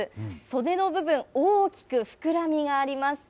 袖の部分、大きく膨らみがあります。